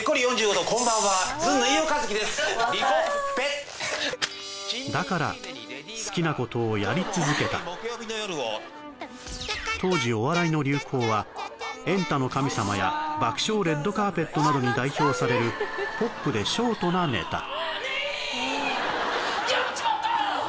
にこっぺっだから当時お笑いの流行は「エンタの神様」や「爆笑レッドカーペット」などに代表されるポップでショートなネタやっちまったなあ